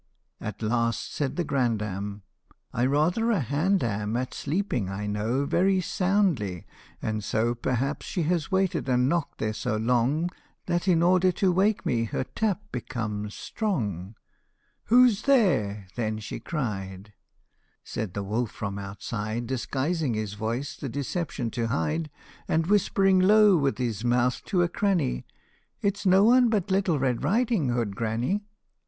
At last said the grandam, " I rather a hand am At sleeping, I know, Very soundly, and so Perhaps she has waited and knocked there so long That, in order to wake me, her tap becomes strong. 35 LITTLE RED RIDING HOOD. Who 's there ?" then she cried ; Said the wolf from outside, Disguising his voice the deception to hide, And whispering low with his mouth to a cranny, ' It 's no one but Little Red Riding Hood, granny !